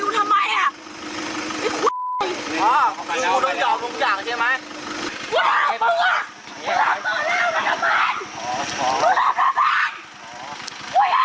อุ้ยมันเข้าไปเลย